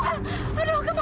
aduh dia kabur